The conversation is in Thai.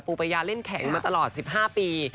ปูประยาเล่นแข่งมาตลอด๑๕ปี